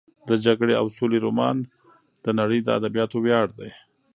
د جګړې او سولې رومان د نړۍ د ادبیاتو ویاړ دی.